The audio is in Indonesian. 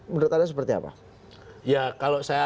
menurut anda seperti apa ya kalau saya